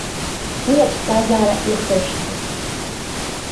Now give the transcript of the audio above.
Уи аԥсҭазаара иахышәҭуп.